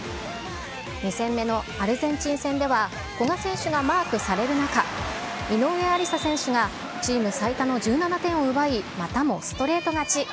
２戦目のアルゼンチン戦では、古賀選手がマークされる中、井上愛里沙選手がチーム最多の１７点を奪い、またもストレート勝ち。